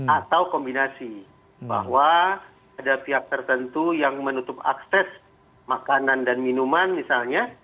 atau kombinasi bahwa ada pihak tertentu yang menutup akses makanan dan minuman misalnya